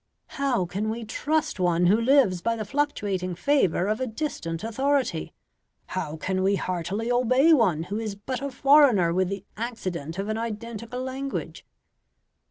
how can we trust one who lives by the fluctuating favour of a distant authority? how can we heartily obey one who is but a foreigner with the accident of an identical language?"